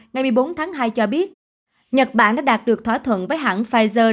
ngày một mươi bốn tháng hai cho biết nhật bản đã đạt được thỏa thuận với hãng pfizer